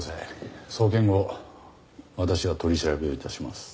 送検後私が取り調べを致します。